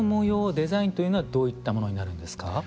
デザインというのはどういったものになるんですか。